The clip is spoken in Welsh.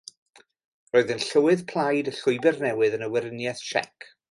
Roedd yn llywydd plaid y Llwybr Newid yn y Weriniaeth Tsiec.